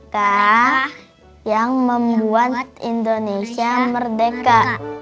ke yang membuat indonesia merdeka